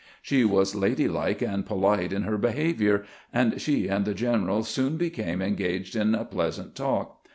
She was ladylike and polite in her behavior, and she and the general soon became en gaged in a pleasant talk.